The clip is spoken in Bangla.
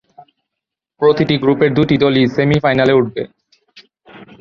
প্রতিটি গ্রুপের দুটি দলই সেমিফাইনালে উঠবে।